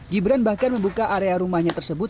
gibran bahkan membuka area rumahnya tersebut